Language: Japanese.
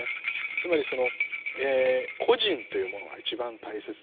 つまりその個人というものが一番大切でしょう。